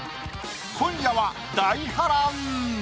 今夜は大波乱！